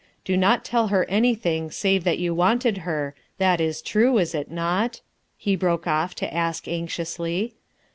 Do not tell her anything save that you wanted her — that is true, is it not ?" he broke off to ask anxiously.